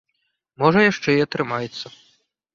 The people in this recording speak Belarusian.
Можа яшчэ і атрымаецца.